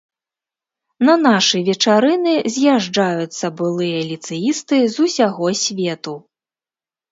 На нашы вечарыны з'язджаюцца былыя ліцэісты з усяго свету.